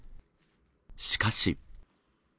しかし。